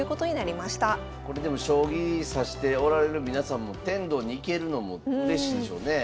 これでも将棋指しておられる皆さんも天童に行けるのもうれしいでしょうねえ。